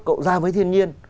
cậu ra với thiên nhiên